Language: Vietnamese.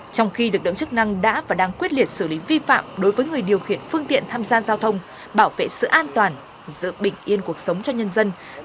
trong khi lực lượng chức năng đã và đang quyết liệt xử lý vi phạm đối với người điều khiển phương tiện tham gia giao thông bảo vệ sự an toàn giữ bình yên cuộc sống cho nhân dân